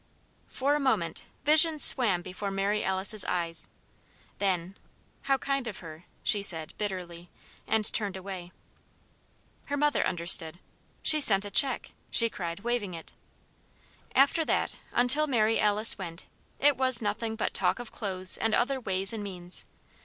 For a moment, visions swam before Mary Alice's eyes. Then, "How kind of her!" she said, bitterly; and turned away. Her mother understood. "She's sent a check!" she cried, waving it. After that, until Mary Alice went, it was nothing but talk of clothes and other ways and means.